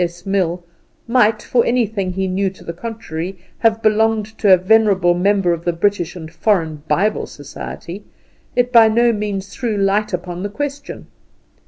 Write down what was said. S. Mill, might, for anything he knew to the contrary, have belonged to a venerable member of the British and Foreign Bible Society, it by no means threw light upon the question.